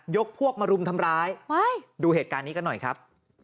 พวกมารุมทำร้ายดูเหตุการณ์นี้กันหน่อยครับ